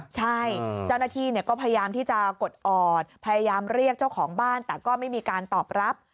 ใช่เจ้าหน้าที่ก็พยายามที่จะกดออดพยายามเรียกเจ้าของบ้านแต่ก็ไม่มีการตอบรับ